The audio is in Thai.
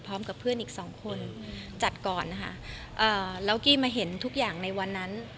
พร้อมกับเพื่อนอีกสองคนจัดก่อนนะคะเอ่อแล้วกี้มาเห็นทุกอย่างในวันนั้น